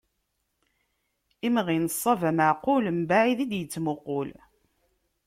Imɣi n ṣṣaba meɛqul, mbaɛid i d-yettmuqul.